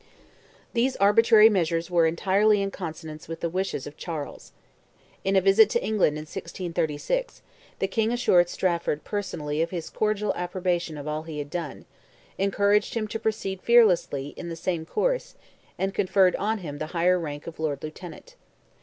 These arbitrary measures were entirely in consonance with the wishes of Charles. In a visit to England in 1636, the King assured Strafford personally of his cordial approbation of all he had done, encouraged him to proceed fearlessly in the same course, and conferred on him the higher rank of Lord Lieutenant.